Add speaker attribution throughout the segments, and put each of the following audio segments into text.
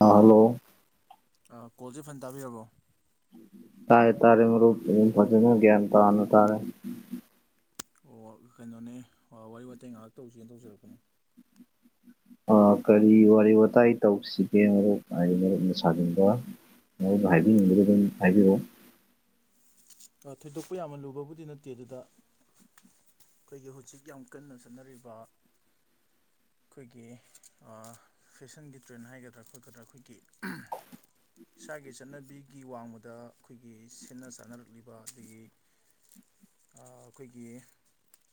Speaker 1: ꯑ ꯍꯜꯂꯣ
Speaker 2: ꯑ ꯀꯣꯜꯁꯦ ꯐꯟ ꯇꯥꯕꯤꯔꯕꯣ
Speaker 1: ꯇꯥꯔꯦ ꯇꯥꯔꯦ ꯃꯔꯨꯞ ꯎ ꯐꯖꯅ ꯒ꯭ꯌꯥꯟ ꯇꯥꯅ ꯇꯥꯔꯦ
Speaker 2: ꯑꯣꯜ ꯀꯩꯅꯣꯅꯦ ꯑ ꯋꯥꯔꯤ ꯋꯇꯥꯏ ꯉꯥꯏꯍꯥꯛ ꯇꯧꯖꯦꯅ ꯇꯧꯖꯔꯛꯄꯅꯦ
Speaker 1: ꯑ ꯀꯔꯤ ꯋꯥꯔꯤ ꯋꯥꯇꯥꯏ ꯇꯧꯁꯤꯒꯦ ꯃꯔꯨꯞ ꯑꯩ ꯃꯔꯨꯞꯅ ꯁꯥꯅꯤꯡꯕ ꯃꯔꯨꯞꯅ ꯍꯥꯢꯕꯤꯅꯤꯡꯕꯗꯣ ꯑꯗꯨꯝ ꯍꯥꯢꯕꯤꯔꯛꯑꯣ
Speaker 2: ꯑ ꯊꯣꯏꯗꯣꯛꯄ ꯌꯥꯝꯅ ꯂꯨꯕꯕꯨꯗꯤ ꯅꯠꯇꯦ ꯑꯗꯨꯗ ꯑꯩꯈꯣꯏꯒꯤ ꯍꯧꯖꯤꯛ ꯌꯥꯝ ꯀꯟꯅ ꯆꯠꯅꯔꯤꯕ ꯑꯩꯈꯣꯏꯒꯤ ꯑꯥ ꯐꯦꯁꯟꯒꯤ ꯇ꯭ꯔꯦꯟ ꯍꯥꯏꯒꯗ꯭ꯔꯥ ꯈꯣꯠꯀꯗ꯭ꯔꯥ ꯑꯩꯈꯣꯏꯒꯤ ꯍꯨꯝ ꯏꯁꯥꯒꯤ ꯆꯠꯅꯕꯤꯒꯤ ꯋꯥꯡꯃꯗ ꯑꯩꯈꯣꯏꯒꯤ ꯁꯦꯅ ꯆꯥꯅꯔꯛꯂꯤꯕ ꯑꯗꯒꯤ ꯑꯥ ꯑꯩꯈꯣꯏꯒꯤ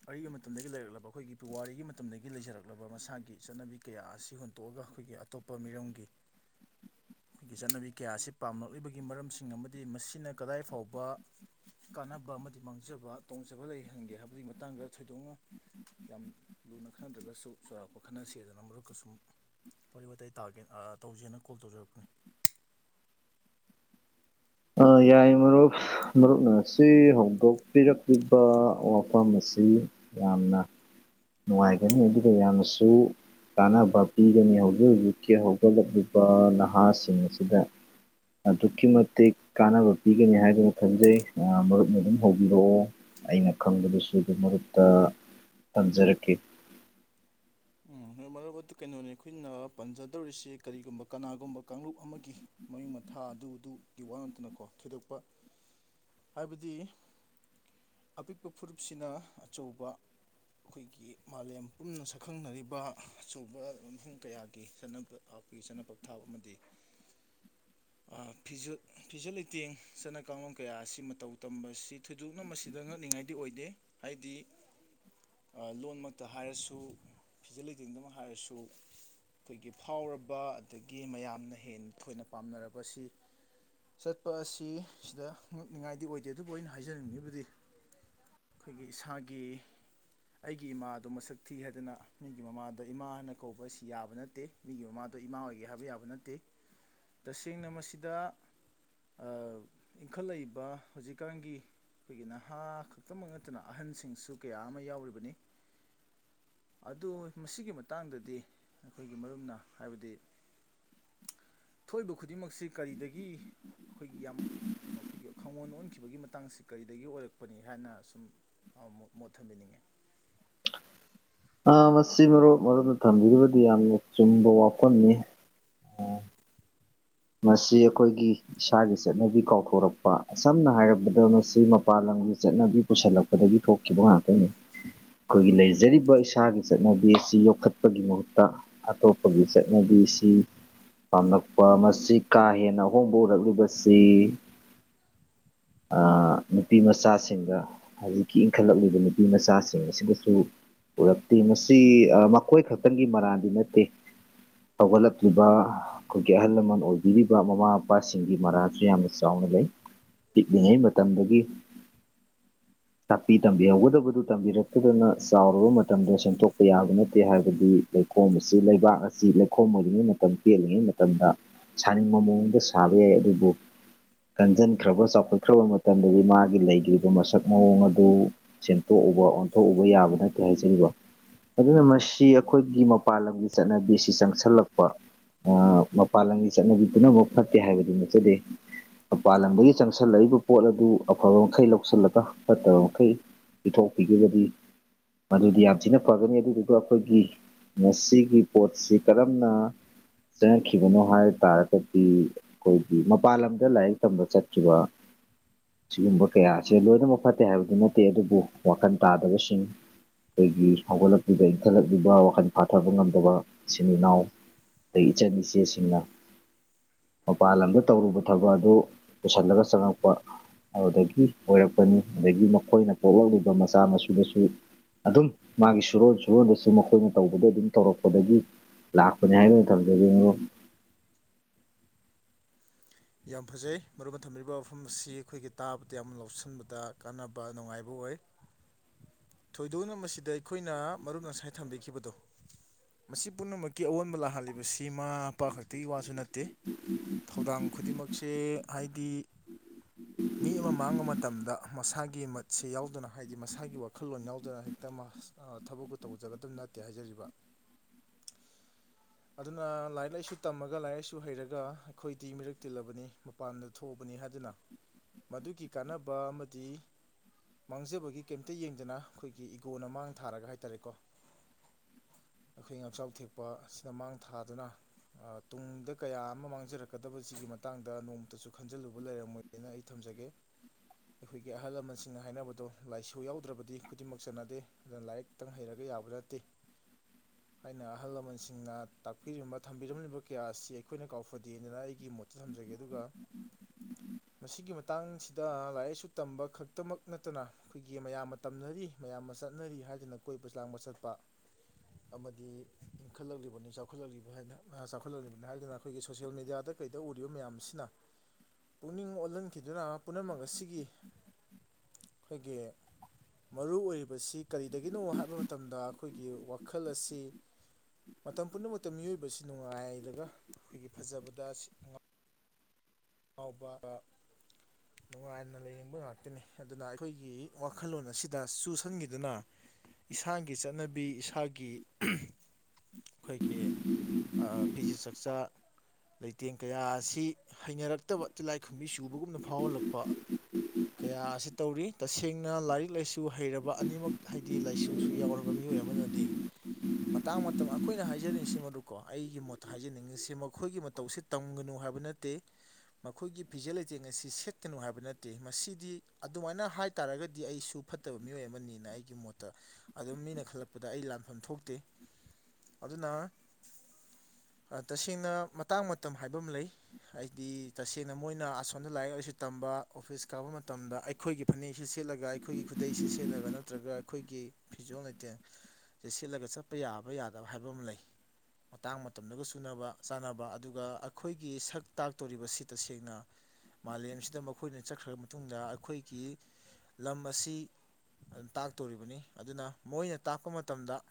Speaker 2: ꯑꯩꯒꯤ ꯃꯇꯝꯗꯒꯤ ꯂꯩꯔꯛꯂꯕ ꯑꯩꯈꯣꯏꯒꯤ ꯄꯨꯋꯥꯔꯤꯒꯤ ꯃꯇꯝꯗꯒꯤ ꯂꯩꯖꯔꯛꯂꯕ ꯃꯁꯥꯒꯤ ꯆꯠꯅꯕꯤ ꯀꯌꯥ ꯑꯁꯤ ꯍꯨꯟꯇꯣꯛꯑ ꯑꯩꯈꯣꯏꯒꯤ ꯑꯇꯣꯞꯄ ꯃꯤꯔꯝꯒꯤ ꯑꯩꯈꯣꯏꯒꯤ ꯆꯠꯅꯕꯤ ꯀꯌꯥ ꯑꯁꯤ ꯄꯥꯝꯂꯛꯂꯤꯕꯒꯤ ꯃꯔꯝꯁꯤꯡ ꯑꯃꯗꯤ ꯃꯁꯤꯅ ꯀꯗꯥꯏ ꯐꯥꯎꯕ ꯀꯥꯟꯅꯕ ꯑꯃꯗꯤ ꯃꯥꯡꯖꯕ ꯇꯣꯡꯖꯕ ꯂꯩꯍꯟꯒꯦ ꯍꯥꯏꯕꯒꯤ ꯃꯇꯥꯡꯗ ꯊꯣꯏꯗꯣꯛꯅ ꯌꯥꯝ ꯂꯨꯅ ꯈꯟꯅꯗ꯭ꯔꯒꯁꯨ ꯆꯥꯎꯔꯥꯛꯄ ꯈꯟꯅꯁꯦꯗꯅ ꯃꯔꯨꯞꯀ ꯁꯨꯝ ꯋꯥꯔꯤ ꯋꯥꯇꯥꯏ ꯇꯥꯒꯦ ꯑꯇꯧꯁꯦꯅ ꯀꯣꯜ ꯇꯧꯖꯔꯛꯄꯅꯤ
Speaker 1: ꯑ ꯌꯥꯏ ꯃꯔꯨꯞ ꯃꯔꯨꯞꯅ ꯁꯤ ꯍꯧꯗꯣꯛꯄꯤꯔꯛꯂꯤꯕ ꯋꯥꯐꯝ ꯑꯁꯤ ꯌꯥꯝꯅ ꯅꯨꯡꯉꯥꯏꯒꯅꯤ ꯑꯗꯨꯒ ꯌꯥꯝꯅꯁꯨ ꯀꯥꯟꯅꯕ ꯄꯤꯒꯅꯤ ꯍꯧꯖꯤꯛ ꯍꯧꯖꯤꯛꯀꯤ ꯍꯧꯒꯠꯂꯛꯂꯤꯕ ꯅꯍꯥꯁꯤꯡ ꯑꯁꯤꯗ ꯑꯗꯨꯛꯀꯤ ꯃꯇꯤꯛ ꯀꯥꯟꯅꯕ ꯄꯤꯒꯅꯤ ꯍꯥꯏꯗꯨꯅ ꯈꯟꯖꯩ ꯑ ꯃꯔꯨꯞꯅ ꯑꯗꯨꯝ ꯍꯧꯕꯤꯔꯛꯑꯣ ꯑꯩꯅ ꯈꯪꯕꯗꯨꯁꯨ ꯗꯨꯝ ꯃꯔꯨꯞꯇ ꯇꯝꯖꯔꯛꯀꯦ
Speaker 2: [inaudible] ꯎ ꯃꯔꯨꯞ ꯑꯗꯨ ꯀꯩꯅꯣꯅꯤ ꯑꯩꯈꯣꯏꯅ ꯄꯟꯖꯗꯧꯔꯤꯁꯤ ꯀꯔꯤꯒꯨꯝꯕ ꯀꯅꯥꯒꯨꯝꯕ ꯀꯥꯡꯂꯨꯞ ꯑꯃꯒꯤ ꯃꯌꯨꯝ ꯃ ꯊꯥ ꯑꯗꯨ ꯑꯗꯨꯒꯤ ꯋꯥ ꯇꯅꯀꯣ ꯊꯣꯏꯗꯣꯛꯄ ꯍꯥꯏꯕꯗꯤ ꯑꯄꯤꯛꯄ ꯐꯨꯔꯨꯞꯁꯤꯅ ꯑꯆꯧꯕ ꯑꯩꯈꯣꯏꯒꯤ ꯃꯥꯂꯦꯝ ꯄꯨꯝꯅ ꯁꯛꯈꯪꯅꯔꯤꯕ ꯑꯆꯧꯕ ꯃꯐꯝ ꯀꯌꯥꯒꯤ ꯆꯠꯅ ꯑꯩꯈꯣꯏꯒꯤ ꯆꯠꯅ ꯄꯊꯥꯞ ꯑꯃꯗꯤ ꯐꯤꯖꯦꯠ ꯂꯩꯇꯦꯡ ꯆꯠꯅ ꯀꯥꯡꯂꯣꯟ ꯀꯌꯥ ꯑꯁꯤ ꯃꯇꯧ ꯇꯝꯕꯁꯤ ꯊꯣꯏꯗꯣꯛꯅ ꯃꯁꯤꯗ ꯉꯛꯅꯤꯡꯉꯥꯏꯗꯤ ꯑꯣꯏꯗꯦ ꯍꯥꯏꯗꯤ ꯃꯤꯡ ꯑꯃꯥ ꯍꯥꯏꯔꯁꯨ ꯑꯩꯈꯣꯏꯒꯤ ꯐꯥꯎꯔꯕ ꯑꯗꯒꯤ ꯃꯌꯥꯝꯅ ꯍꯦꯟ ꯊꯣꯏꯅ ꯄꯥꯝꯅꯔꯕꯁꯤ ꯆꯠꯄ ꯑꯁꯤ ꯁꯤꯗ ꯉꯛꯅꯤꯡꯉꯥꯏꯗꯤ ꯑꯣꯏꯗꯦꯗꯀꯣ ꯑꯩꯅ ꯍꯥꯏꯖꯅꯤꯡꯉꯤꯕꯗꯤ ꯑꯩꯈꯣꯏꯒꯤ ꯏꯁꯥꯒꯤ ꯑꯩꯒꯤ ꯏꯃꯥꯗꯣ ꯃꯁꯛ ꯊꯤ ꯍꯥꯏꯗꯅ ꯃꯤꯅ ꯒꯤ ꯃꯃꯥꯗ ꯏꯃꯥ ꯍꯥꯏꯅ ꯀꯧꯕ ꯑꯁꯤ ꯌꯥꯕ ꯅꯠꯇꯦ ꯃꯤꯒꯤ ꯃꯃꯥꯗꯣ ꯏꯃꯥ ꯑꯣꯏꯒꯦ ꯍꯥꯏꯕꯁꯨ ꯌꯥꯕ ꯅꯠꯇꯦ ꯇꯁꯦꯡꯅ ꯃꯁꯤꯗ ꯑ ꯏꯪꯈꯠꯂꯛꯏꯕ ꯍꯧꯖꯤꯛꯀꯥꯟꯒꯤ ꯑꯩꯈꯣꯏꯒꯤ ꯅꯍꯥ ꯈꯛꯇꯃꯛ ꯅꯠꯇꯅ ꯑꯍꯟꯁꯤꯡꯁꯨ ꯀꯌꯥ ꯑꯃ ꯌꯥꯎꯔꯤꯕꯅꯤ ꯑꯗꯨ ꯃꯁꯤꯒꯤ ꯃꯇꯥꯡꯗꯗꯤ ꯑꯩꯈꯣꯏꯒꯤ ꯃꯔꯨꯞꯅ ꯍꯥꯏꯕꯗꯤ ꯊꯣꯛꯏꯕ ꯈꯨꯗꯤꯡꯃꯛꯁꯤ ꯀꯔꯤꯗꯒꯤ ꯑꯩꯈꯣꯏꯒꯤ ꯌꯥꯝ ꯃꯈꯣꯏꯒꯤ ꯈꯪꯉꯣꯟ ꯑꯣꯟꯈꯤꯕꯒꯤ ꯃꯇꯥꯡꯁꯤ ꯀꯔꯤꯗꯒꯤ ꯑꯣꯏꯔꯛꯄꯅꯤ ꯍꯥꯏꯅ ꯁꯨꯝ ꯃꯣꯠ ꯊꯝꯕꯤꯅꯤꯡꯉꯦ
Speaker 1: ꯑ ꯃꯁꯤ ꯃꯔꯨꯞ ꯃꯔꯨꯞꯅ ꯊꯝꯕꯤꯔꯤꯕꯗꯤ ꯌꯥꯝꯅ ꯆꯨꯝꯕ ꯋꯥꯐꯝꯅꯤ
Speaker 2: [inaudible]
Speaker 1: ꯃꯁꯤ ꯑꯩꯈꯣꯏꯒꯤ ꯏꯁꯥꯒꯤ ꯆꯠꯅꯕꯤ ꯀꯥꯎꯊꯣꯔꯛꯄ ꯁꯝꯅ ꯍꯥꯏꯔꯕꯗ ꯃꯁꯤ ꯃꯄꯥꯟ ꯂꯝ ꯒꯤ ꯆꯠꯅꯕꯤ ꯄꯨꯁꯜꯂꯛꯄꯗꯒꯤ ꯊꯣꯛꯈꯤꯕ ꯉꯥꯛꯇꯅꯤ ꯑꯩꯈꯣꯏꯒꯤ ꯂꯩꯖꯔꯤꯕ ꯏꯁꯥꯒꯤ ꯆꯠꯅꯕꯤ ꯑꯁꯤ ꯌꯣꯛꯈꯠꯄꯒꯤ ꯃꯍꯨꯠꯇ ꯑꯇꯣꯞꯄꯒꯤ ꯆꯠꯅꯕꯤ ꯃꯤꯁꯤ ꯄꯥꯝꯂꯛꯄ ꯑꯃꯁꯨ ꯑꯁꯤ ꯀꯥ ꯍꯦꯟꯅ ꯑꯍꯍꯣꯡꯕ ꯎꯔꯛꯂꯤꯕꯁꯤ ꯑ ꯅꯨꯄꯤꯃꯆꯥꯁꯤꯡꯒ ꯍꯧꯖꯤꯛꯀꯤ ꯏꯟꯈꯠꯂꯛꯂꯤꯕ ꯅꯨꯄꯤ ꯃꯆꯥꯁꯤꯡ ꯑꯁꯤꯒꯁꯨ ꯎꯔꯛꯇꯦ ꯃꯁꯤ ꯑ ꯃꯈꯣꯏ ꯈꯛꯇꯪꯒꯤ ꯃꯔꯥꯟꯗꯤ ꯅꯠꯇꯦ ꯍꯧꯒꯠꯂꯛꯂꯤꯕ ꯑꯩꯈꯣꯏꯒꯤ ꯑꯍꯜ ꯂꯃꯟ ꯑꯣꯏꯕꯤꯔꯤꯕ ꯃꯃꯥ ꯃꯄꯥꯁꯤꯡꯒꯤ ꯃꯔꯥꯜꯁꯨ ꯌꯥꯝꯅ ꯆꯥꯎꯅ ꯂꯩ
Speaker 2: [inaudible]
Speaker 1: ꯄꯤꯛꯂꯤꯉꯩ ꯃꯇꯝꯗꯒꯤ
Speaker 2: [inaudible]
Speaker 1: ꯇꯥꯛꯄꯤ ꯇꯝꯕꯤꯍꯧꯒꯗꯕꯗꯨ ꯇꯝꯕꯤꯍꯧꯗꯗꯅ ꯆꯥꯎꯔꯕ ꯃꯇꯝꯗ ꯁꯦꯝꯗꯣꯛꯄ ꯌꯥꯕ ꯅꯠꯇꯦ ꯍꯥꯏꯕꯗꯤ ꯂꯩꯈꯣꯝ ꯑꯁꯤ ꯂꯩꯕꯥꯛ ꯑꯁꯤ ꯂꯩꯈꯣꯝ ꯑꯣꯏꯔꯤꯉꯩ ꯃꯇꯝ ꯄꯦꯠꯂꯤꯉꯩ ꯃꯇꯝꯗ ꯁꯥꯅꯤꯡꯕ ꯃꯑꯣꯡꯗ ꯁꯥꯕ ꯌꯥꯏ ꯑꯗꯨꯕꯨ ꯀꯟꯖꯟꯈ꯭ꯔꯕ ꯆꯥꯎ ꯍꯧꯒꯠꯈ꯭ꯔꯕ ꯃꯇꯝꯗꯗꯤ ꯃꯥꯒꯤ ꯂꯩꯈ꯭ꯔꯤꯕ ꯃꯁꯛ ꯃꯑꯣꯡ ꯑꯗꯨ ꯁꯦꯝꯇꯣꯛꯎꯕ ꯑꯣꯟꯊꯣꯛꯎꯕ ꯌꯥꯕ ꯅꯠꯇꯦ ꯇꯦ ꯍꯥꯏꯖꯔꯤꯕ ꯑꯗꯨꯅ ꯃꯁꯤ ꯑꯩꯈꯣꯏꯒꯤ ꯃꯄꯥꯟ ꯂꯝꯒꯤ ꯆꯠꯅꯕꯤ ꯑꯁꯤ ꯆꯪꯁꯜꯂꯛꯄ ꯑ ꯃꯄꯥꯟ ꯂꯝꯒꯤ ꯆꯠꯅꯕꯤ ꯄꯨꯝꯅꯃꯛ ꯐꯠꯇꯦ ꯍꯥꯏꯕꯗ ꯅꯠꯆꯗꯦ ꯃꯄꯥꯟ ꯂꯝꯗꯒꯤ ꯆꯪ ꯁꯜꯂꯛꯏꯕ ꯄꯣꯠ ꯑꯗꯨ ꯑꯐꯕ ꯃꯈꯩ ꯂꯧꯁꯤꯜꯂꯒ ꯐꯠꯇꯕ ꯃꯈꯩ ꯄꯤꯊꯣꯛꯄꯤꯈꯤꯕꯗꯤ ꯑꯗꯨꯗꯤ ꯌꯥꯝ ꯊꯤꯅ ꯐꯒꯅꯤ ꯑꯗꯨꯗꯨꯒ ꯑꯩꯈꯣꯏꯒꯤ ꯉꯁꯤꯒꯤ ꯄꯣꯠꯁꯤ ꯀꯔꯝꯅ ꯆꯡꯉꯛꯈꯤꯕꯅꯣ ꯍꯥꯏ ꯇꯥꯔꯒꯗꯤ ꯑꯩꯈꯣꯏꯒꯤ ꯃꯄꯥꯟ ꯂꯝꯗ ꯂꯥꯏꯔꯤꯛ ꯇꯝꯕ ꯆꯠ ꯈꯤꯕ ꯁꯤꯒꯨꯝꯕ ꯀꯌꯥꯁꯦ ꯂꯣꯏꯅꯃꯛ ꯐꯠꯇꯦ ꯍꯥꯏꯕꯗꯤ ꯅꯠꯇꯦ ꯑꯗꯨꯕꯨ ꯋꯥꯈꯟ ꯇꯥꯗꯕꯁꯤꯡ ꯑꯩꯈꯣꯏꯒꯤ ꯍꯧꯒꯠꯂꯛꯂꯤꯕ ꯏꯟꯈꯠꯂꯛꯂꯤꯕ ꯋꯥꯈꯜ ꯐꯥꯊꯕ ꯉꯝꯗꯕ ꯏꯆꯤꯟ ꯏꯅꯥꯎ ꯑꯩꯒꯤ ꯏꯆꯟ ꯏꯆꯦꯁꯤꯡꯅ ꯃꯄꯥꯟ ꯂꯝꯗ ꯇꯧꯔꯨꯕ ꯊꯕꯛ ꯑꯗꯨ ꯄꯨꯁꯜꯂꯒ ꯆꯪꯉꯛꯄ ꯑꯗꯨꯗꯒꯤ ꯑꯣꯏꯔꯛꯄꯅꯤ ꯑꯗꯨꯗꯒꯤ ꯃꯈꯣꯏꯅ ꯄꯣꯛꯂꯛꯂꯤꯕ ꯃꯆꯥ ꯃꯁꯨꯗꯁꯨ ꯑꯗꯨꯝ ꯃꯥꯒꯤ ꯁꯨꯔꯣꯟ ꯁꯨꯔꯣꯟꯗꯁꯨ ꯃꯈꯣꯏꯅ ꯇꯧꯕꯗꯒꯤ ꯑꯗꯨꯝ ꯇꯧꯔꯛꯄꯗꯒꯤ ꯂꯥꯛꯄꯅꯦ ꯍꯥꯢꯅ ꯊꯝꯖꯒꯦ ꯃꯔꯨꯞ
Speaker 2: [inaudible] ꯌꯥꯝ ꯐꯖꯩ ꯃꯔꯨꯞꯅ ꯊꯝꯕꯤꯔꯤꯕ ꯋꯥꯐꯝ ꯑꯁꯤ ꯑꯩꯈꯣꯏꯒꯤ ꯇꯥꯕꯗ ꯌꯥꯝ ꯂꯧꯁꯤꯟꯕꯗ ꯀꯥꯟꯅꯕ ꯅꯨꯡꯉꯥꯏꯕ ꯑꯣꯏ ꯊꯣꯏꯗꯣꯛꯅ ꯃꯁꯤꯗ ꯑꯩꯈꯣꯏꯅ ꯃꯔꯨꯞꯅ ꯉꯁꯥꯏ ꯊꯝꯕꯤꯈꯤꯕꯗꯣ ꯃꯁꯤ ꯄꯨꯝꯅꯃꯛꯀꯤ ꯑꯑꯣꯟꯕ ꯂꯥꯛꯍꯜꯂꯤꯕꯁꯤ ꯏꯃꯥ ꯃꯄꯥ ꯈꯛꯇꯒꯤ ꯋꯥꯁꯨ ꯅꯠꯇꯦ ꯊꯧꯗꯥꯡ ꯈꯨ ꯈꯨꯗꯤꯡꯃꯛꯁꯦ ꯍꯥꯏꯗꯤ ꯃꯤ ꯑꯃ ꯃꯥꯡꯕ ꯃꯇꯝꯗ ꯃꯁꯥꯒꯤ ꯃꯠꯁꯦ ꯌꯥꯎꯗꯅ ꯍꯥꯏꯗꯤ ꯃꯁꯥꯒꯤ ꯋꯥꯈꯜꯂꯣꯟ ꯌꯥꯎꯗꯅ ꯍꯦꯛꯇ ꯃꯍꯥ ꯁꯤꯅ ꯊꯕꯛꯇꯨ ꯇꯧꯖꯒꯗꯕ ꯅꯠꯇꯦ ꯍꯥꯏꯖꯔꯤꯕ ꯑꯗꯨꯅ ꯂꯥꯏꯔꯤꯛ ꯂꯥꯏꯁꯨ ꯇꯝꯃꯒ ꯂꯥꯏꯔꯤꯛ ꯂꯥꯏꯁꯨ ꯍꯩꯔꯒ ꯑꯩꯈꯣꯏꯗꯤ ꯃꯤꯔꯛ ꯇꯤꯜꯂꯕꯅꯤ ꯃꯄꯥꯟꯗ ꯊꯣꯛꯑꯕꯅꯤ ꯍꯥꯏꯗꯨꯅ ꯃꯗꯨꯒꯤ ꯀꯥꯟꯅꯕ ꯑꯃꯗꯤ ꯃꯥꯡꯖꯕꯒꯤ ꯀꯩꯝꯇ ꯌꯦꯡꯗꯅ ꯑꯩꯈꯣꯏꯒꯤ ꯏꯒꯣꯅ ꯃꯥꯡ ꯊꯥꯔꯒ ꯍꯥꯏꯇꯥꯔꯦꯀꯣ [inaudible] ꯑꯩꯈꯣꯏꯒꯤ ꯉꯆꯥꯎ ꯊꯦꯛꯄ ꯑꯁꯤꯅ ꯃꯥꯡ ꯊꯥꯗꯨꯅ ꯑ ꯇꯨꯡꯗ ꯀꯌꯥ ꯑꯃ ꯃꯥꯡꯖꯔꯛꯀꯗꯕꯁꯤꯒꯤ ꯃ ꯃꯇꯥꯡꯗ ꯅꯣꯡꯃꯇꯁꯨ ꯈꯟꯖꯤꯜꯂꯨꯕ ꯂꯩꯔꯝꯃꯣꯏꯅ ꯑꯩ ꯊꯝꯖꯒꯦ ꯑꯩꯈꯣꯏꯒꯤ ꯑꯍꯜ ꯂꯃꯟꯁꯤꯡꯅ ꯍꯥꯏꯅꯕꯗꯣ ꯂꯥꯏꯁꯨ ꯌꯥꯎꯗ꯭ꯔꯕꯗꯤ ꯈꯨꯗꯤꯡꯃꯛꯇ ꯆꯠꯅꯗꯦ ꯑꯗꯨꯅ ꯂꯥꯏꯔꯤꯛꯇꯪ ꯍꯩꯔꯒ ꯌꯥꯕ ꯅꯠꯇꯦ ꯊꯥꯏꯅ ꯑꯍꯜ ꯂꯃꯟꯁꯤꯡꯅ ꯇꯥꯛꯄꯤꯔꯝꯕ ꯊꯝꯕꯤꯔꯝꯂꯤꯕ ꯀꯌꯥ ꯑꯁꯤ ꯑꯩꯈꯣꯏꯅ ꯀꯥꯎꯐꯗꯦꯗꯅ ꯑꯩꯒꯤ ꯃꯣꯠ ꯊꯝꯖꯒꯦ ꯑꯗꯨꯒ ꯃꯁꯤꯒꯤ ꯃꯇꯥꯡꯁꯤꯗ ꯂꯥꯏꯔꯤꯛ ꯂꯥꯏꯁꯨ ꯇꯝꯕ ꯈꯛꯇꯃꯛ ꯅꯠꯇꯅ ꯑꯩꯈꯣꯏꯒꯤ ꯃꯌꯥꯝꯅ ꯇꯝꯅꯔꯤ ꯃꯌꯥꯝ ꯆꯠꯅꯔꯤ ꯍꯥꯏꯗꯨꯅ ꯀꯣꯏꯕ ꯂꯥꯡꯕ ꯆꯠꯄ ꯑꯃꯗꯤ ꯏꯟꯈꯠꯂꯛꯂꯤꯕꯅꯤ ꯆꯥꯎꯈꯠꯂꯛꯂꯤꯕ ꯍꯥꯏꯅ ꯑ ꯆꯥꯎꯈꯠꯂꯛꯂꯤꯕꯅꯤ ꯍꯥꯏꯗꯨꯅ ꯑꯩꯈꯣꯏꯒꯤ ꯁꯣꯁꯦꯜ ꯃꯦꯗꯤꯌꯥꯗ ꯀꯩ ꯗ ꯎꯔꯤꯕ ꯃꯌꯥꯝꯁꯤꯅ ꯄꯨꯛꯅꯤꯡ ꯑꯣꯜꯍꯟꯈꯤꯗꯨꯅ ꯄꯨꯝꯅꯃꯛ ꯑꯁꯤꯒꯤ ꯑꯩꯈꯣꯏꯒꯤ ꯃꯔꯨ ꯑꯣꯏꯔꯤꯕꯁꯤ ꯀꯔꯤꯗꯒꯤꯅꯣ ꯍꯥꯏꯕ ꯃꯇꯝꯗ ꯑꯩꯈꯣꯏꯒꯤ ꯋꯥꯈꯜ ꯑꯁꯤ ꯃꯇꯝ ꯄꯨꯝꯅꯃꯛꯇ ꯃꯤꯑꯣꯏꯕꯁꯤ ꯅꯨꯡꯉꯥꯏꯔꯒ ꯑꯩꯈꯣꯏꯒꯤ ꯐꯖꯕꯗ ꯁꯤ ꯑꯋꯣꯄꯥ ꯅꯨꯡꯉꯥꯏꯅ ꯂꯩꯅꯤꯡꯕ ꯉꯥꯛꯇꯅꯤ ꯑꯗꯨꯅ ꯑꯩꯈꯣꯏꯒꯤ ꯋꯥꯈꯜꯂꯣꯟ ꯑꯁꯤꯗ ꯆꯨꯁꯤꯟꯈꯤꯗꯨꯅ ꯏꯁꯥꯒꯤ ꯆꯠꯅꯕꯤ ꯏꯁꯥꯒꯤ ꯑꯩꯈꯣꯏꯒꯤ ꯑ ꯐꯦꯖꯦꯠ ꯆꯛ ꯆꯥ ꯂꯩꯇꯦꯡ ꯀꯌꯥ ꯑꯁꯤ ꯍꯩꯅꯔꯛ ꯍꯩꯅꯔꯛꯇꯕ ꯇꯤꯜꯂꯥꯏꯈꯨꯝꯕꯤ ꯆꯨꯕꯒꯨꯝꯅ ꯐꯥꯎꯍꯜꯂꯛꯄ ꯀꯌꯥ ꯑꯁꯤ ꯇꯧꯔꯤ ꯇꯁꯦꯡꯅ ꯂꯥꯏꯔꯤꯛ ꯂꯥꯏꯁꯨ ꯍꯩꯔꯕ ꯑꯅꯤꯃꯛ ꯍꯥꯏꯗꯤ ꯂꯥꯏꯁꯨꯁꯨ ꯌꯥꯎꯔꯕ ꯃꯤ ꯃꯤꯑꯣꯏ ꯑꯃꯅꯗꯤ ꯃꯇꯥꯡ ꯃꯇꯝ ꯑꯩꯈꯣꯏꯅ ꯍꯥꯏꯖꯅꯤꯡꯉꯁꯤ ꯃꯔꯨꯞꯀꯣ ꯑꯩꯒꯤ ꯃꯣꯠꯇ ꯍꯥꯏꯖꯅꯤꯡꯉꯁꯤ ꯃꯈꯣꯏꯒꯤ ꯃꯇꯧꯁꯤ ꯇꯝꯒꯅꯨ ꯍꯥꯏꯕ ꯅꯠꯇꯦ ꯃꯈꯣꯏꯒꯤ ꯐꯤꯖꯦꯠ ꯂꯩꯇꯦꯡ ꯑꯁꯤ ꯁꯦꯠꯀꯅꯨ ꯍꯥꯏꯕ ꯅꯠꯇꯦ ꯃꯁꯤꯗꯤ ꯑꯗꯨꯃꯥꯏꯅ ꯍꯥꯏ ꯇꯥꯔꯒꯗꯤ ꯑꯩꯁꯨ ꯐ ꯐꯠꯇꯕ ꯃꯤꯑꯣꯏ ꯑꯃꯅꯤꯅ ꯑꯩꯒꯤ ꯃꯣꯠꯇ ꯑꯗꯨꯝ ꯃꯤꯅ ꯈꯜꯂꯛꯄꯗ ꯑꯩ ꯂꯥꯟꯐꯝ ꯊꯣꯛꯇꯦ ꯑꯗꯨꯅ ꯑ ꯇꯁꯦꯡꯅ ꯃꯇꯥꯡ ꯃꯇꯝ ꯍꯥꯏꯕ ꯑꯃ ꯂꯩ ꯍꯥꯏꯗꯤ ꯇꯁꯦꯡꯅ ꯃꯣꯏꯅ ꯑꯁꯣꯝꯗ ꯂꯥꯏꯔꯤꯛ ꯂꯥꯏꯁꯨ ꯇꯝꯕ ꯑꯣꯐꯤꯁ ꯀꯥꯕ ꯃꯇꯝꯗ ꯑꯩꯈꯣꯏꯒꯤ ꯐꯅꯦꯛꯁꯤ ꯁꯦꯠꯂꯒ ꯑꯩꯈꯣꯏꯒꯤ ꯈꯨꯗꯩꯁꯦ ꯁꯦꯂꯒ ꯅ ꯅꯠꯇ꯭ꯔꯒ ꯑꯩꯈꯣꯏꯒꯤ ꯐꯤꯖꯣꯜ ꯂꯩꯇꯦꯡꯁꯦ ꯁꯦꯠꯂꯒ ꯆꯠꯄ ꯌꯥꯕ ꯌꯥꯗꯕ ꯍꯥꯏꯕ ꯑꯃ ꯂꯩ ꯃꯇꯥꯡ ꯃꯇꯝꯗꯒ ꯆꯨꯅꯕ ꯆꯥꯅꯕ ꯑꯗꯨꯒ ꯑꯩꯈꯣꯏꯒꯤ ꯁꯛ ꯇꯥꯛꯇꯧꯔꯤꯕ ꯁꯤ ꯇꯁꯦꯡꯅ ꯃꯥꯂꯦꯝꯁꯤꯗ ꯃꯈꯣꯏꯅ ꯆꯠꯈ꯭ꯔꯕ ꯃꯇꯨꯡꯗ ꯑꯩꯈꯣꯏꯒꯤ ꯂꯝ ꯑꯁꯤ ꯑꯗꯨꯝ ꯇꯥꯛꯇꯣꯔꯤꯕꯅꯤ ꯑꯗꯨꯅ ꯃꯣꯏꯅ ꯇꯥꯛꯄ ꯃꯇꯝꯗ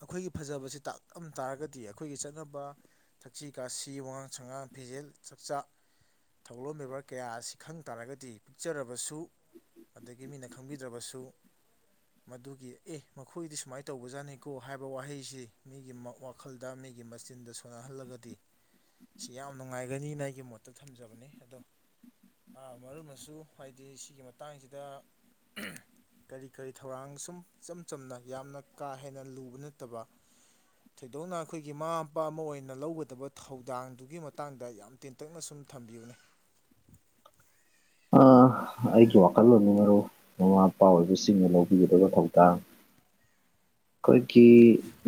Speaker 2: ꯑꯩꯈꯣꯏꯒꯤ ꯐꯖꯕꯁꯤ ꯇꯥꯛꯂꯝ ꯇꯥꯔꯒꯗꯤ ꯑꯩꯈꯣꯏꯒꯤ ꯆꯠꯅꯕ ꯊꯛꯁꯤ ꯈꯥꯁꯤ ꯋꯥꯉꯥꯡ ꯁꯉꯥꯡ ꯐꯤꯖꯦꯜ ꯆꯥꯛꯆꯥ ꯊꯧꯒꯂꯣꯟ ꯕꯦꯕꯔ ꯀꯌꯥ ꯑꯁꯤ ꯈꯪ ꯇꯥꯔꯒꯗꯤ ꯄꯤꯛꯆꯔꯕꯁꯨ ꯑꯗꯒꯤ ꯃꯤꯅ ꯈꯪꯕꯤꯗ꯭ꯔꯕꯁꯨ ꯃꯗꯨꯒꯤ ꯑꯦ ꯃꯈꯣꯏꯗꯤ ꯁꯨꯃꯥꯏꯅ ꯇꯧꯕꯖꯥꯠꯅꯤꯀꯣ ꯍꯥꯏꯕ ꯋꯥꯍꯩꯁꯤ ꯃꯤꯒꯤ ꯋꯥꯈꯜꯗ ꯃꯤꯒꯤ ꯃꯆꯤꯟꯗ ꯁꯣꯟꯅꯍꯜꯂꯒꯗꯤ ꯁꯤ ꯌꯥꯝ ꯅꯨꯡꯉꯥꯏꯒꯅꯤꯅ ꯑꯩꯒꯤ ꯃꯣꯠꯇ ꯊꯝꯖꯕꯅꯤ ꯑꯗꯣ ꯑ ꯃꯔꯨꯞꯅꯁꯨ ꯍꯥꯏꯗꯤ ꯁꯤꯒꯤ ꯃꯇꯥꯡꯁꯤꯗ ꯀꯔꯤ ꯀꯔꯤ ꯊꯧꯔꯥꯡ ꯁꯨꯝ ꯏꯆꯝ ꯆꯝꯅ ꯌꯥꯝꯅ ꯀꯥ ꯍꯦꯟꯅ ꯂꯨꯕ ꯅꯠꯇꯕ ꯊꯣꯏꯗꯣꯛꯅ ꯑꯩꯈꯣꯏꯒꯤ ꯃꯃꯥ ꯃꯄꯥ ꯑꯃ ꯑꯣꯏꯅ ꯂꯧꯒꯗꯕ ꯊꯧꯗꯥꯡ ꯑꯗꯨꯒꯤ ꯃꯇꯥꯡꯗ ꯌꯥꯝ ꯇꯦꯟꯇꯛꯅ ꯁꯨꯝ ꯊꯝꯕꯤꯌꯨꯅꯦ
Speaker 1: ꯑ ꯑꯩꯒꯤ ꯋꯥꯈꯜꯂꯣꯟ ꯃꯔꯨꯞ ꯃꯃꯥ ꯃꯄꯥ ꯑꯣꯏꯕꯁꯤꯡꯅ ꯂꯧꯕꯤꯒꯗꯕ ꯊꯧꯗꯥꯡ
Speaker 2: [inaudible]
Speaker 1: ꯑꯩꯈꯣꯏꯒꯤ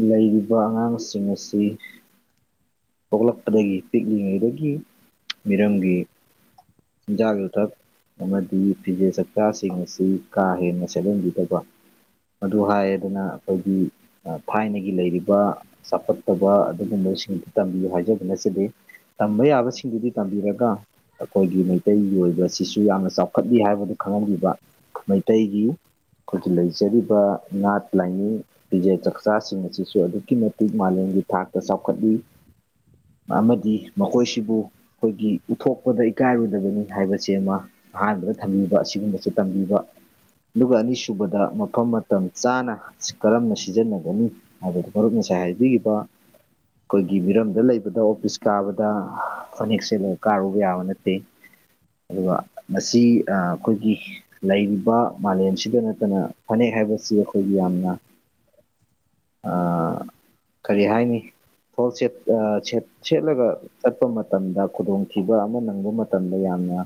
Speaker 1: ꯂꯩꯔꯤꯕ ꯑꯉꯥꯡꯁꯤꯡ ꯑꯁꯤ ꯄꯣꯛꯂꯛꯄꯗꯒꯤ ꯄꯤꯛꯂꯤꯉꯩꯗꯒꯤ ꯃꯤꯔꯝꯒꯤ ꯆꯤꯟꯖꯥꯛ ꯌꯨꯊꯛ ꯑꯃꯗꯤ ꯐꯤꯖꯦꯠ ꯆꯥꯛꯆꯥꯁꯤꯡ ꯑꯁꯤ ꯀꯥ ꯍꯦꯟꯅ ꯁꯦꯠꯍꯟꯕꯤꯗꯕ ꯑꯗꯨ ꯍꯥꯏꯌꯦꯗꯅ ꯑꯩꯈꯣꯏꯒꯤ ꯊꯥꯏꯅꯒꯤ ꯂꯩꯔꯤꯕ ꯆꯥꯎꯈꯠꯇꯕ ꯑꯗꯨꯒꯨꯝꯕꯁꯤꯡꯗꯨ ꯇꯝꯕꯤꯌꯨ ꯍꯥꯏꯖꯕ ꯅꯠꯆꯗꯦ ꯇꯝꯕ ꯌꯥꯕꯁꯤꯡꯗꯨꯗꯤ ꯇꯝꯕꯤꯔꯒ ꯑꯩꯈꯣꯏꯒꯤ ꯃꯩꯇꯩꯒꯤ ꯑꯣꯏꯕꯁꯤꯁꯨ ꯌꯥꯝꯅ ꯆꯥꯎꯈꯠꯂꯤ ꯍꯥꯏꯕꯗꯨ ꯈꯪꯍꯟꯕꯤꯕ ꯃꯩꯇꯩꯒꯤ ꯑꯩꯈꯣꯏꯒꯤ ꯂꯩꯖꯔꯤꯕ ꯅꯥꯠ ꯂꯥꯏꯅꯤꯡ ꯐꯤꯖꯦ ꯆꯛꯆꯥꯁꯤꯡ ꯑꯁꯤꯁꯨ ꯑꯗꯨꯛꯀꯤ ꯃꯇꯤꯛ ꯃꯥꯂꯦꯝ ꯒꯤ ꯊꯥꯛꯇ ꯆꯥꯎꯈꯠꯂꯤ
Speaker 2: [inaudible]
Speaker 1: ꯑꯃꯗꯤ ꯃꯈꯣꯏꯁꯤꯕꯨ ꯑꯈꯣꯏꯒꯤ ꯄꯨꯊꯣꯛꯄꯗ ꯏꯀꯥꯏꯔꯣꯏꯗꯕꯅꯤ ꯍꯥꯏꯕꯖꯦꯃꯥ ꯑꯍꯥꯟ ꯑꯗ ꯊꯝꯃꯤꯕ ꯑꯁꯤꯒꯨꯝꯕꯁꯦ ꯇꯝꯕꯤꯕ ꯑꯗꯨꯒ ꯑꯅꯤꯁꯨꯨꯕꯗ ꯃꯐꯝ ꯃꯇꯝ ꯆꯥꯅ ꯀꯔꯝꯅ ꯁꯤꯖꯤꯟꯅꯒꯅꯤ ꯍꯥꯏꯕꯗꯨ ꯃꯔꯨꯞꯅ ꯗꯥꯏ ꯍꯥꯏꯕꯤꯒꯤꯕ ꯑꯈꯣꯏꯒꯤ ꯒꯤ ꯃꯤꯔꯝꯗ ꯂꯩꯕꯗ ꯑꯣꯐꯤꯁ ꯀꯥꯕꯗꯥ ꯍꯥ ꯐꯅꯦꯛ ꯁꯦꯠꯂ ꯀꯥꯔꯨꯕ ꯌꯥꯕ ꯅꯠꯇꯦ ꯑꯗꯨꯒ ꯃꯁꯤ ꯑꯥ ꯑꯈꯣꯏꯒꯤ ꯂꯩꯔꯤꯕ ꯃꯥꯂꯦꯝꯁꯤꯗ ꯅꯠꯇꯅ ꯐꯅꯦꯛ ꯍꯥꯏꯕꯁꯤ ꯑꯩꯈꯣꯏꯒꯤ ꯌꯥꯝꯅ ꯑꯥ ꯀꯔꯤ ꯍꯥꯏꯅꯤ ꯍꯣꯜ ꯆꯦꯞ ꯑꯥ ꯆꯦꯠ ꯁꯦꯠꯂꯒ ꯆꯠꯄ ꯃꯇꯝꯗ ꯈꯨꯗꯣꯡꯊꯤꯕ ꯑꯃ ꯅꯪꯕ ꯃꯇꯝꯗ ꯌꯥꯝ ꯅ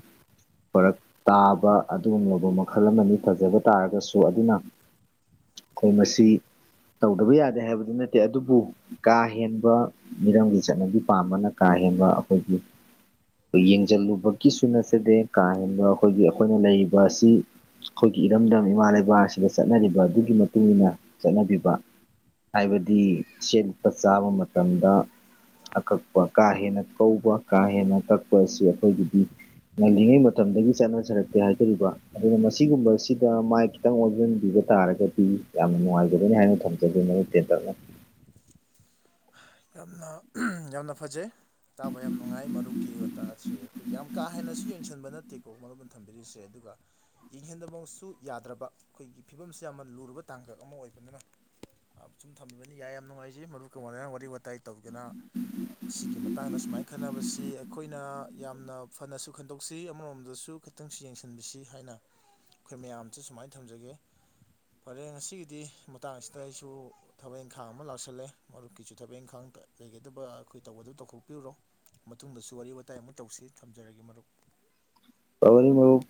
Speaker 1: ꯐꯔꯛ ꯇꯥꯕ ꯑꯗꯨꯒꯨꯝꯂꯕ ꯃꯈꯜ ꯑꯃꯅꯤ ꯐꯖꯕ ꯇꯥꯔꯒꯁꯨ ꯑꯗꯨꯅ ꯎꯈꯣꯡ ꯑꯁꯤ ꯇꯧꯗꯕ ꯌꯥꯗꯦ ꯍꯥꯏꯕꯗꯤ ꯅꯠꯇꯦ ꯑꯗꯨꯕꯨ ꯀꯥ ꯍꯦꯟꯕ ꯃꯤꯔꯝꯒꯤ ꯆꯠꯅꯕꯤ ꯄꯥꯝꯕꯅ ꯀꯥ ꯍꯦꯟ ꯕ ꯑꯩꯈꯣꯏꯒꯤ ꯌꯦꯡꯖꯜꯂꯨꯕꯒꯤꯁꯨ ꯅꯠꯆꯗꯦ ꯀꯥ ꯍꯦꯟꯕ ꯑꯈꯣꯏꯒꯤ ꯑꯈꯣꯏꯅ ꯂꯩꯔꯤꯕ ꯑꯁꯤ ꯑꯈꯣꯏꯒꯤ ꯏꯔꯝꯗꯝ ꯏꯃꯥ ꯂꯩꯕꯥꯛ ꯑꯁꯤꯗ ꯆꯠꯅꯔꯤꯕ ꯑꯗꯨꯒꯤ ꯃꯇꯨꯡ ꯏꯟꯅ ꯆꯠꯅꯕꯤꯕꯥ ꯍꯥꯏꯕꯗꯤ ꯁꯦꯠꯄ ꯆꯥꯕ ꯃꯇꯝꯗ ꯑꯀꯛꯄ ꯀꯥ ꯍꯦꯟꯅ ꯀꯧꯕ ꯀꯥ ꯍꯦꯟꯅ ꯀꯛꯄ ꯑꯁꯤ ꯑꯩꯈꯣꯏꯒꯤꯗꯤ ꯉꯜꯂꯤꯉꯩ ꯃꯇꯝꯗꯒꯤ ꯆꯠꯅꯖꯔꯛꯇꯦ ꯍꯥꯏꯖꯔꯤꯕꯥ ꯑꯗꯨꯅ ꯃꯁꯤꯒꯨꯝꯕ ꯑꯁꯤꯗ ꯃꯥꯏ ꯈꯤꯇꯪ ꯑꯣꯟꯖꯟꯕꯤꯕ ꯇꯥꯔꯒ ꯗꯤ ꯌꯥꯝꯅ ꯅꯨꯡꯉꯥꯏꯖꯒꯅꯤ ꯍꯥꯏꯅ ꯊꯝꯖꯒꯦ ꯃꯌꯦꯛ ꯇꯦꯟꯇꯛꯅ
Speaker 2: ꯌꯥꯝꯅ ꯌꯥꯝꯅ ꯐꯖꯩ ꯇꯥꯕ ꯌꯥꯝ ꯅꯨꯡꯉꯥꯏ ꯃꯔꯨꯞꯀꯤ ꯋꯥꯇꯥ ꯑꯁꯤ ꯌꯥꯝ ꯀꯥ ꯍꯦꯟꯅꯁꯨ ꯌꯦꯡꯁꯤꯟꯕ ꯅꯠꯇꯦꯀꯣ ꯃꯔꯨꯞꯅ ꯊꯝꯕꯤꯔꯤꯁꯦ ꯑꯗꯨꯒ ꯌꯦꯡꯁꯤꯟꯗꯕ ꯃꯁꯨ ꯌꯥꯗ꯭ꯔꯕ ꯑꯈꯣꯏꯒꯤ ꯐꯤꯕꯝꯁꯤ ꯌꯥꯝꯅ ꯂꯨꯔꯕ ꯇꯥꯡꯀꯛ ꯑꯃ ꯑꯣꯏꯕꯅꯤꯅ ꯁꯨꯝ ꯊꯝꯕꯤꯕꯅꯤ ꯌꯥꯏ ꯌꯥꯝ ꯅꯨꯡꯉꯥꯏꯖꯩ ꯃꯔꯨꯞ ꯀ ꯋꯥꯔꯥꯢ ꯋꯥꯔꯤ ꯋꯥꯇꯥꯏ ꯇꯧꯗꯅꯥ ꯁꯤꯒꯤ ꯃꯇꯥꯡꯗ ꯁꯨꯃꯥꯏ ꯈꯟꯅꯕꯁꯤ ꯑꯩꯈꯣꯏꯅ ꯌꯥꯝꯅ ꯐꯅꯁꯨ ꯈꯟꯗꯣꯛꯁꯤ ꯑꯃꯔꯣꯝꯗꯁꯨ ꯈꯤꯇꯪꯁꯨ ꯌꯦꯡꯁꯤꯟꯕꯤꯁꯤ ꯍꯥꯏꯅ ꯑꯈꯣꯏ ꯃꯌꯥꯝꯖꯦ ꯁꯨꯃꯥꯏ ꯊꯝꯖꯒꯦ ꯐꯔꯦ ꯉꯁꯤꯒꯤꯗꯤ ꯃꯇꯥꯡ ꯑꯁꯤꯗ ꯑꯩꯁꯨ ꯊꯕꯛ ꯏꯪꯈꯥꯡ ꯑꯃ ꯂꯥꯛꯁꯜꯂꯦ ꯃꯔꯨꯞꯀꯤꯖꯨ ꯊꯕꯛ ꯏꯪꯈꯥ ꯊꯥꯡ ꯂꯩꯒꯗꯕ ꯑꯩꯈꯣꯏ ꯇꯧꯒꯗꯕ ꯇꯧꯊꯣꯛꯄꯤꯔꯨꯔꯣ ꯃꯇꯨꯡꯗꯁꯨ ꯋꯥꯔꯤ ꯋꯥꯇꯥꯏ ꯑꯃꯨꯛ ꯇꯧꯁꯤ ꯊꯝꯖꯔꯒꯦ ꯃꯔꯨꯞ [inaudible]
Speaker 1: ꯇꯧꯔꯤ ꯃꯔꯨꯞ